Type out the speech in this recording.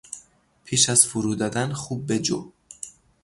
پیش از فرو دادن خوب بجو!